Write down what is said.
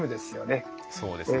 そうですね。